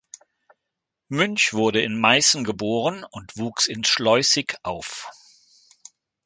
Münch wurde in Meißen geboren und wuchs in Schleußig auf.